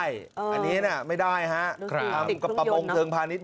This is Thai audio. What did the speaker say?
อันเนี้ยน่ะไม่ได้ฮะกับประมงเธืองพาณิชย์